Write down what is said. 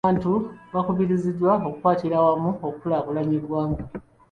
Abantu bakubiriziddwa okukwatira awamu okukulaakulanya eggwanga.